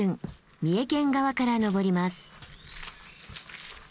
三重県側から登ります。